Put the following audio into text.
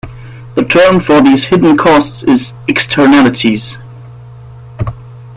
The term for these hidden costs is "Externalities".